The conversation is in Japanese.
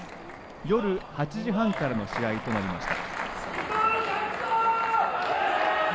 夜８時半からの試合となりました。